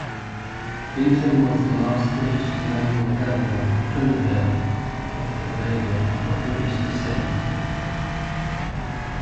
Beetham was the last British colonial governor of Trinidad and Tobago of British descent.